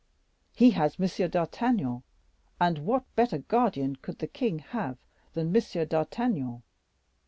He has M. d'Artagnan, and what better guardian could the king have than M. d'Artagnan?